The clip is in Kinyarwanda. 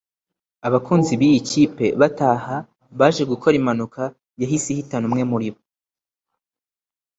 abakunzi b’iyi kipe bataha baje gukora impanuka yahise ihitana umwe muri bo